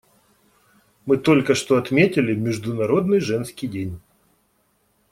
Мы только что отметили Международный женский день.